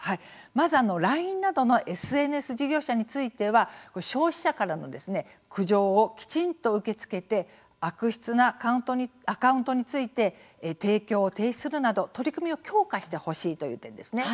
まずＬＩＮＥなどのＳＮＳ事業者については消費者からのですね苦情をきちんと受け付けて悪質なアカウントについて提供の停止をするなど取り組みを強化してほしいという点ですね。